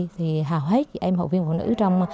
thì hào hế chị em hội viên phụ nữ trong